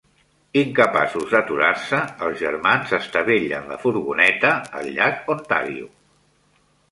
Incapaços d'aturar-se, els germans estavellen la furgoneta al llac Ontario.